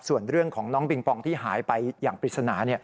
ส่วนเรื่องของน้องปิงปองที่หายไปอย่างปริศนา